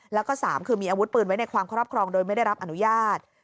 แล้วก็๓คือมีอาวุธปืนไว้ในความครอบครองโดยไม่ได้รับอนุญาต